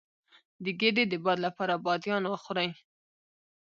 د ګیډې د باد لپاره بادیان وخورئ